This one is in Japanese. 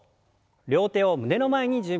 両手を胸の前に準備します。